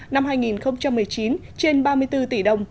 năm hai nghìn một mươi chín trên ba mươi bốn tỷ đồng